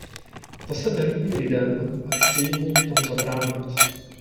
To se nelíbí lidem a chtějí mu v tom zabránit.